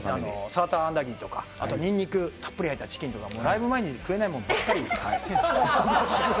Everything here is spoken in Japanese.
サーターアンダギーとか、あとニンニクがたっぷり入ったチキンとか、ライブ前に食えないもんばっかり。